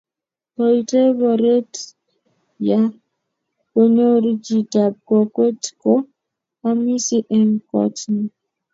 koitou boriet ya konyoru chitab kokwet ko amisie eng' koot nyin